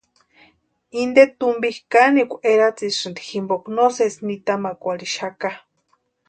Inte tumpi kanekwa eratsesïnti jimpoka no sesí nitamakwarhixaka.